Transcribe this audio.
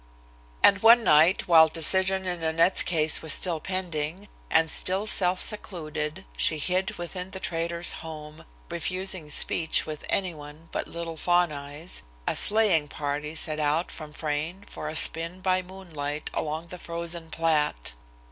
And one night, while decision in Nanette's case was still pending, and, still self secluded, she hid within the trader's home, refusing speech with anyone but little Fawn Eyes, a sleighing party set out from Frayne for a spin by moonlight along the frozen Platte.